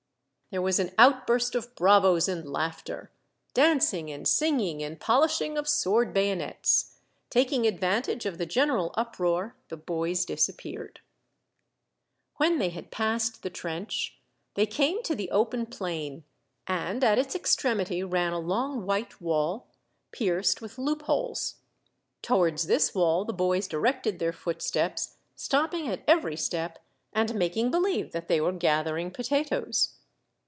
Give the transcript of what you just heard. There was an outburst of bravos and laughter, dancing and singing and polishing of sword bayonets ; taking advantage of the general uproar, the boys disappeared. 28 Monday Tales, When they had passed the trench, they came to the open plain, and at its extremity ran a long white wall, pierced with loop holes. Towards this wall the boys directed their footsteps, stopping at every step and making believe that they were gathering potatoes.